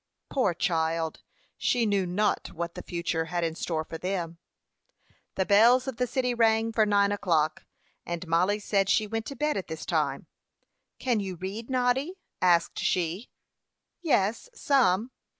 Poor child! She knew not what the future had in store for them. The bells of the city rang for nine o'clock, and Mollie said she went to bed at this time. "Can you read, Noddy?" asked she. "Yes, some."